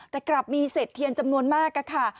แต่กลับมีเศษเทียนจำนวนมากค่ะ